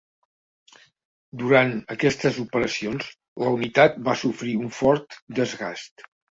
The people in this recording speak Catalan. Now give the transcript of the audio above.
Durant aquestes operacions la unitat va sofrir un fort desgast.